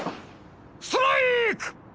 ストライク！